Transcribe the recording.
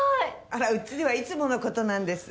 あらうちではいつもの事なんです。